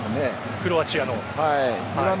クロアチアの？